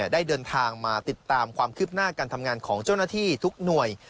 ได้เดินทางมาติดตามความคืบหน้าการทำงานของเจ้าหน้าที่ทุกหน่วย